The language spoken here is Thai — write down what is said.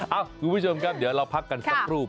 คุณผู้ชมครับเดี๋ยวเราพักกันสักครู่